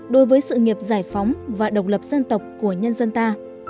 đối với sự nghiệp giải phóng và độc lập dân tộc của nhân dân ta